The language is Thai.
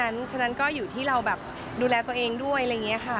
ฉะนั้นก็อยู่ที่เราแบบดูแลตัวเองด้วยอะไรอย่างนี้ค่ะ